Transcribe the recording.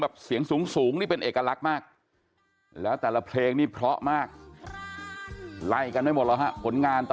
เรียกเป็นสอดเสียแพง